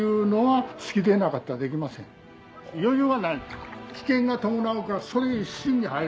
余裕はない。